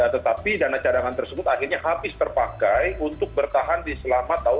tetapi dana cadangan tersebut akhirnya habis terpakai untuk bertahan di selama tahun dua ribu dua